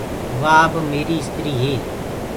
وآ اب ميآريٚ استريٚ هي۔